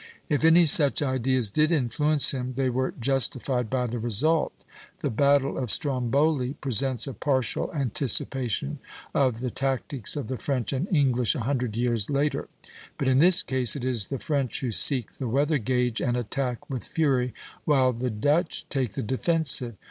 If any such ideas did influence him they were justified by the result. The battle of Stromboli presents a partial anticipation of the tactics of the French and English a hundred years later; but in this case it is the French who seek the weather gage and attack with fury, while the Dutch take the defensive.